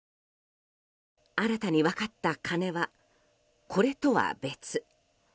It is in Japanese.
新たに分かった金はこれとは別。